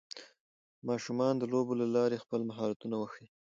ماشومان د لوبو له لارې خپل مهارتونه وښيي